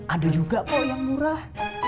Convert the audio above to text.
ada juga pol yang murah